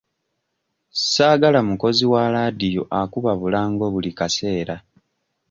Ssaagala mukozi wa laadiyo akuba bulango buli kaseere.